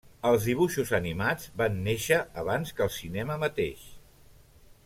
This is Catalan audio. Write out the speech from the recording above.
Els dibuixos animats van néixer abans que el cinema mateix.